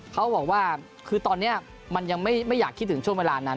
เขาบอกว่าคือตอนนี้มันยังไม่อยากคิดถึงช่วงเวลานั้น